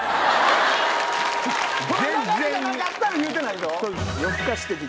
この流れじゃなかったら言うてないぞ。